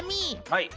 はい。